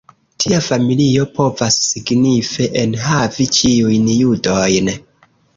Tia familio povas signife enhavi ĉiujn judojn.